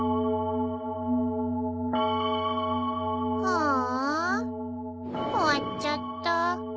ああ終わっちゃった。